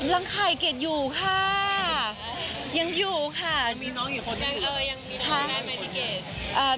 ไข่เกดอยู่ค่ะยังอยู่ค่ะมีน้องอยู่คนหนึ่งยังมีท้องแม่ไหมพี่เกด